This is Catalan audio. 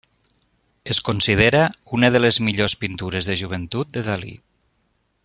Es considera una de les millors pintures de joventut de Dalí.